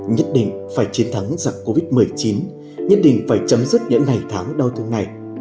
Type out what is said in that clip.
nhất định phải chiến thắng giặc covid một mươi chín nhất định phải chấm dứt những ngày tháng đau thương này